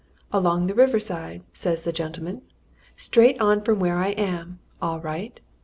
"Along the river side," says the gentleman. "Straight on from where I am all right."